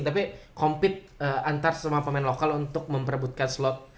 tapi compete antar semua pemain lokal untuk memperebutkan slot